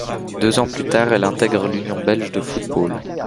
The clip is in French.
Deux ans plus tard, elle intègre l'Union belge de football.